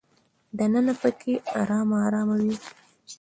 دننه په کې ارامه ارامي وي.